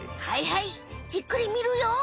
はいはいじっくりみるよ。